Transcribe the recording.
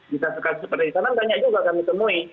bisa seperti di sana banyak juga kami temui